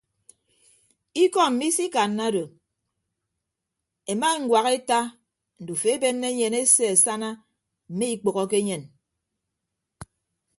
Ikọ mmi isikanna odo ema eñwak eta ndufo ebenne enyen ese asana mme ikpәhoke enyen.